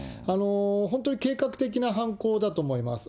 本当に計画的な犯行だと思います。